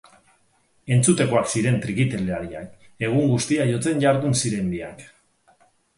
Entzutekoak ziren trikitilariak, egun guztian jotzen jardun ziren biak.